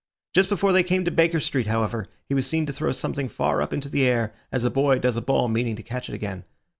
Just before they came to Baker Street, however, he was seen to throw something far up into the air, as a boy does a ball meaning to catch it again.